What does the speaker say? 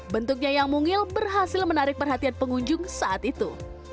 bentuknya yang mungil berhasil menarik perhatian pengunjung saat itu